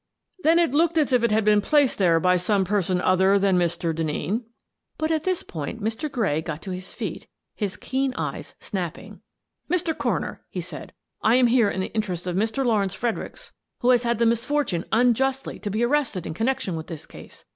" Then it looked as if it had been placed there by some person other than Mr. Denneen?" But at this point Mr. Gray got to his feet, his keen eyes snapping. " Mr. Coroner," he said, " I am here in the inter ests of Mr. Lawrence Fredericks, who has had the misfortune unjustly to be arrested in connection with this case.